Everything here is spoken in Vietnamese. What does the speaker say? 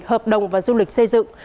hợp đồng và du lịch xây dựng